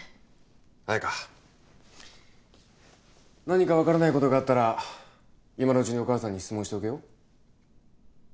何か分からないことがあったら今のうちにお母さんに質問しておけよ。